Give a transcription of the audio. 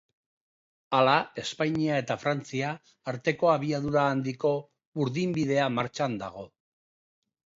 Hala, Espainia eta Frantzia arteko abiadura handiko burdinbidea martxan dago.